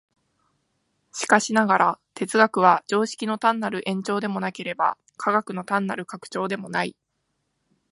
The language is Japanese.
しかしながら、哲学は常識の単なる延長でもなければ、科学の単なる拡張でもない。